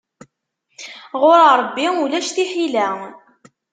Ɣur Ṛebbi ulac tiḥila.